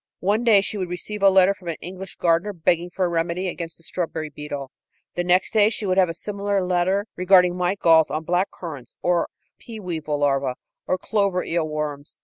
One day she would receive a letter from an English gardener begging for a remedy against the strawberry beetle. The next day she would have a similar letter regarding mite galls on black currants, or pea weevil larvæ or clover eel worms.